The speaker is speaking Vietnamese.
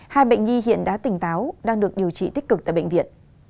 hai bệnh nhi hiện đã tỉnh táo đang được điều trị tích cực tại bệnh viện